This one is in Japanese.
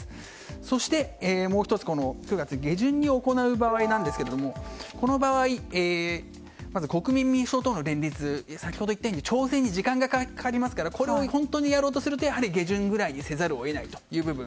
そして、もう１つ９月下旬に行う場合ですがこの場合まず国民民主党との連立先ほど言ったように調整に時間がかかりますからこれを本当にやろうとするとやはり下旬ぐらいにせざるを得ないという部分。